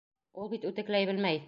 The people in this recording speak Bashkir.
Ул бит үтекләй белмәй.